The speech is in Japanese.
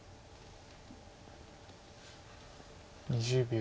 ２０秒。